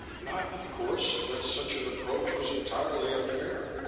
Not, of course, that such an approach was entirely unfair.